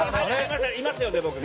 いますよね、僕ね。